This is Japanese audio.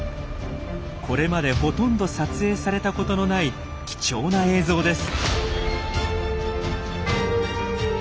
これまでほとんど撮影されたことのない貴重な映像です。